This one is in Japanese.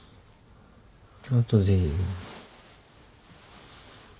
あとでいい。